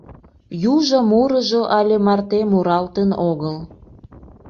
Южо мурыжо але марте муралтын огыл.